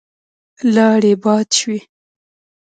لاړې يې باد شوې.